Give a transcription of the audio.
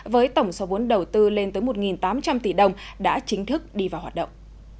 với tổng số vốn đầu tư lên tới một tám trăm linh tỷ đồng đã chính thức đi vào hoạt động